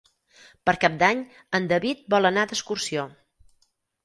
Per Cap d'Any en David vol anar d'excursió.